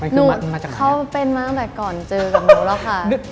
เขาก็มาเป็นมาตั้งแต่ก่อนเจอกับนุแม่